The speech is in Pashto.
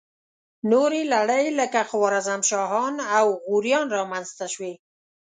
نورې لړۍ لکه خوارزم شاهان او غوریان را منځته شوې.